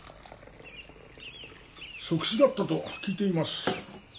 即死だったと聞いています。